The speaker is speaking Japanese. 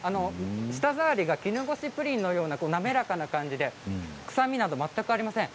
舌触りが絹ごしプリンのような滑らかな感じで臭みなど全くありません。